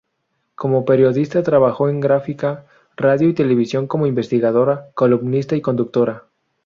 Como periodista trabajó en gráfica, radio y televisión como investigadora, columnista y conductora.